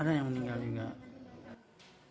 ada yang meninggal juga